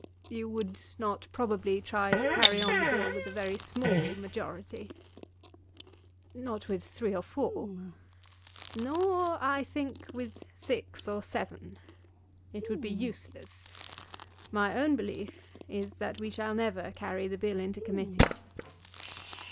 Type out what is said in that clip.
"You would not probably try to carry on the Bill with a very small majority." "Not with three or four." "Nor, I think, with six or seven. It would be useless. My own belief is that we shall never carry the Bill into Committee."